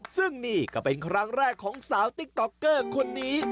ซึ่งนี่ก็เป็นครั้งแรกของสาวติ๊กต๊อกเกอร์คนนี้